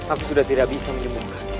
aku sudah tidak bisa menyebutkan